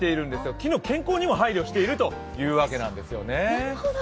木の健康にも配慮しているというわけなんですよね。